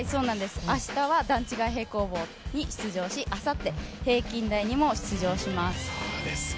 明日は段違い平行棒に出場し、あさって平均台にも出場します。